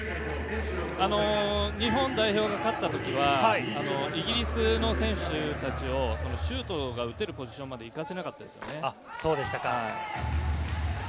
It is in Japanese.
日本代表が勝った時にはイギリスの選手たちをシュートが打てるポジションまで行かせなかったんですよね。